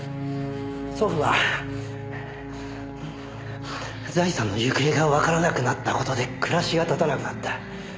祖父は財産の行方がわからなくなった事で暮らしが立たなくなった。